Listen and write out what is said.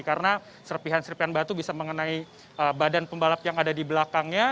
karena serpihan serpihan batu bisa mengenai badan pembalap yang ada di belakangnya